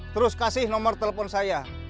terus kasih nomor telepon saya